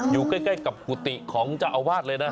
อยู่ใกล้กับกุฏิของเจ้าอาวาสเลยนะ